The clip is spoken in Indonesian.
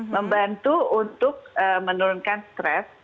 membantu untuk menurunkan stres